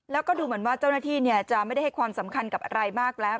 แล้วก็ดูเหมือนว่าเจ้าหน้าที่จะไม่ได้ให้ความสำคัญกับอะไรมากแล้ว